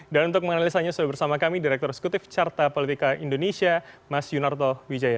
dan untuk menganalisanya sudah bersama kami direktur sekutif carta politika indonesia mas yunarto wijaya